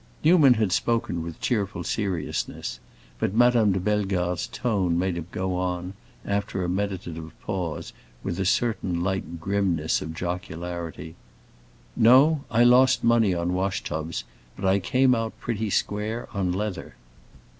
Newman had spoken with cheerful seriousness, but Madame de Bellegarde's tone made him go on, after a meditative pause, with a certain light grimness of jocularity. "No, I lost money on wash tubs, but I came out pretty square on leather."